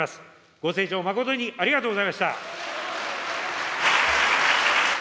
ご清聴、誠にありがとうございました。